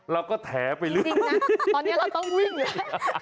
เราก็แถไปจริงจริงน่ะตอนเนี้ยเราต้องวิ่งหรืออ่ะ